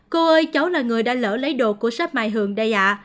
cô ơi cháu là người đã lỡ lấy đồ của shop mai hường đây ạ